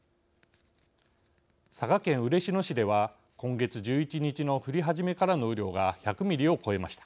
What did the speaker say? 佐賀県嬉野市では今月１１日の降り始めからの雨量が１００ミリを超えました。